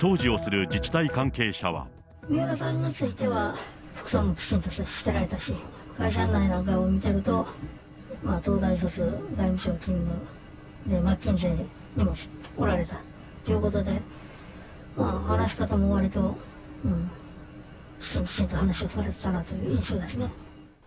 三浦さんについては、服装もきちんとしてられたし、会社案内なんかを見てると、東大卒、外務省勤務、マッキンゼーにもおられたということで、話し方もわりときちんととされていたという印象ですね。